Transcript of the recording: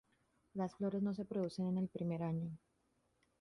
Las flores no se producen en el primer año.